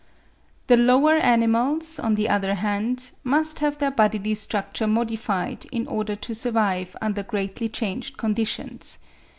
The lower animals, on the other hand, must have their bodily structure modified in order to survive under greatly changed conditions.